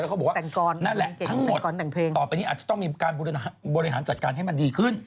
เขาบอกว่านั่นแหละทั้งหมดต่อไปนี้อาจจะต้องมีการบริหารจัดการให้มันดีขึ้น